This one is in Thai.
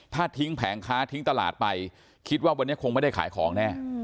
ถ้าทิ้งแผงค้าทิ้งตลาดไปคิดว่าวันนี้คงไม่ได้ขายของแน่